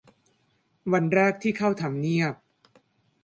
วันแรกที่เข้าทำเนียบ